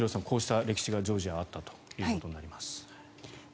こうした歴史がジョージアにはあったということになります。